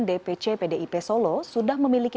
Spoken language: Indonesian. dpc pdip solo sudah memiliki